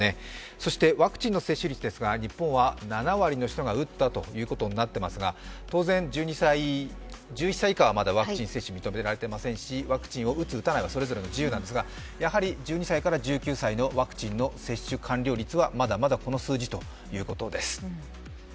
そしてワクチンの接種率ですが、日本は７割の人が打ったことになっていますが当然、１１歳以下はワクチン接種が認められていませんし、ワクチンを打つ、打たないはそれぞれの自由なんですが１２歳から１９歳の接種完了率はまだまだこの数字ということです。